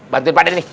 bantuin pak d nih